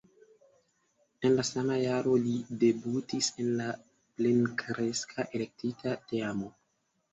En la sama jaro li debutis en la plenkreska elektita teamo.